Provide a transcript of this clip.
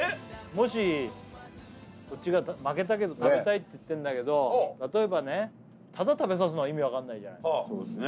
もしこっちが負けたけど食べたいって言ってんだけど例えばねただ食べさすのは意味分かんないじゃないそうっすね